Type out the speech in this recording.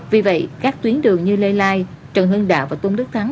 vì vậy các tuyến đường như lê lai trần hưng đạo và tôn đức thắng